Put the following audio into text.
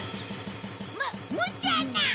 むむちゃな！！